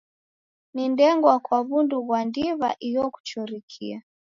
Ni ndengwa kwa w'undu ghwa ndiw'a iyo kuchurikia.